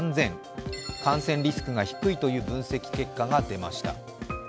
感染リスクが低いという分析結果が出ました。